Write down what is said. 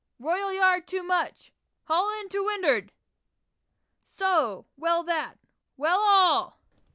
"Royal yard too much! Haul into windward! So! well that!" "Well all!"